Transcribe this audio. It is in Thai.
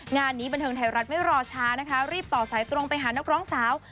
งานนี้บันเทิงไทยรัฐไม่รอช้านะคะรีบต่อสายตรงไปหานักร้องสาว